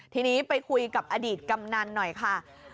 ทีนี้ไปคุยกับอดีตกำนันหน่อยค่ะ